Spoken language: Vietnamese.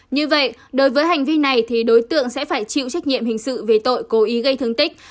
như vậy đối với hành vi này thì đối tượng sẽ phải chịu trách nhiệm hình sự về tội cố ý gây thương tích